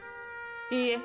いいえ